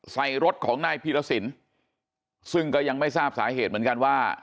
ใส่รถของนายพีรสินซึ่งก็ยังไม่ทราบสาเหตุเหมือนกันว่า